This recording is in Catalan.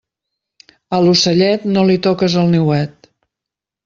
A l'ocellet, no li toques el niuet.